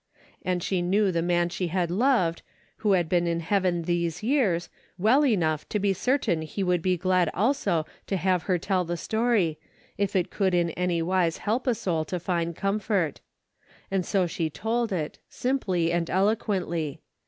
And she knew the man she had loved, who had been in heaven these years, well enough to be certain he would be glad also to have her tell the story, if it could in any wise help a soul to find comfort. And so she told it, simply and eloquently.